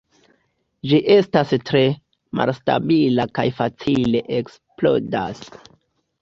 Ĝi estas tre malstabila kaj facile eksplodas.